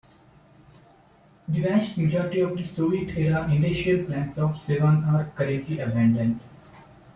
The vast majority of the Soviet-era industrial plants of Sevan are currently abandoned.